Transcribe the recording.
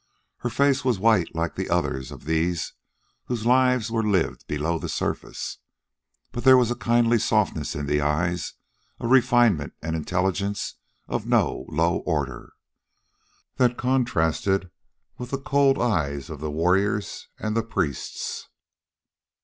Her face was white like the others of these whose lives were lived below the surface, but there was a kindly softness in the eyes, a refinement and intelligence of no low order, that contrasted with the cold eyes of the warriors and the priests.